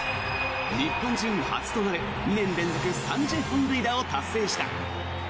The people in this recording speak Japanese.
日本人初となる２年連続３０本塁打を達成した。